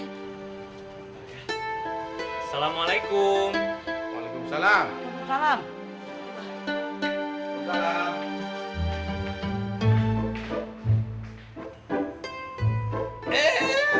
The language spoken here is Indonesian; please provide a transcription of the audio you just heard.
disuruh ngambil anaknya aja lama bener mikirnya